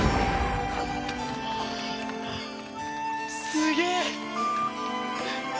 すげえ！